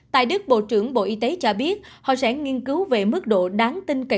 tại đức bộ trưởng bộ y tế cho biết họ sẽ nghiên cứu về mức độ đáng tin cậy